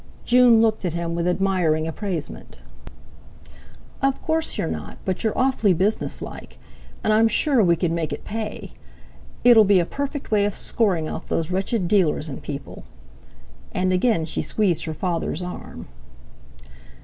June looked at him with admiring appraisement. "Of course you're not, but you're awfully businesslike. And I'm sure we could make it pay. It'll be a perfect way of scoring off those wretched dealers and people." And again she squeezed her father's arm.